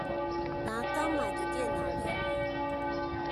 拿剛買的電腦淋雨